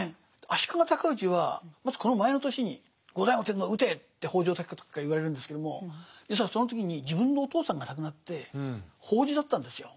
足利高氏はまずこの前の年に後醍醐天皇を討てって北条高時から言われるんですけども実はその時に自分のお父さんが亡くなって法事だったんですよ。